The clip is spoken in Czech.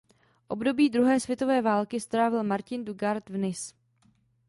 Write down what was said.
Období druhé světové války strávil Martin du Gard v Nice.